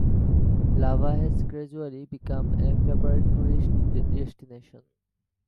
Lava has gradually become a favorite tourist destination.